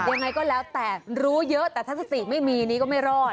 ยังไงก็แล้วแต่รู้เยอะแต่ถ้าสติไม่มีนี้ก็ไม่รอด